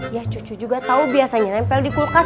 ya cucu juga tau biasanya nempel dikulkas